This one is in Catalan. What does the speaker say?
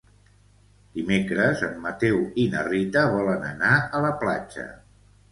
Dimecres en Mateu i na Rita volen anar a la platja.